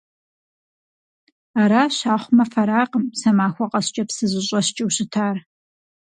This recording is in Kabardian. Аращ, ахъумэ фэракъым, сэ махуэ къэскӀэ псы зыщӀэскӀэу щытар.